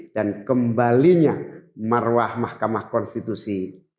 dan kembalinya marwah mahkamah konstitusi